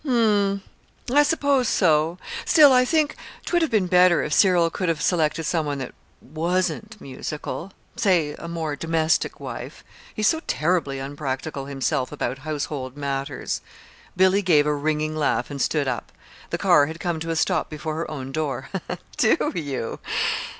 "Hm m; I suppose so. Still, I think 'twould have been better if Cyril could have selected some one that wasn't musical say a more domestic wife. He's so terribly unpractical himself about household matters." Billy gave a ringing laugh and stood up. The car had come to a stop before her own door. "Do you?